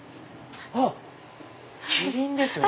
あっキリンですよね。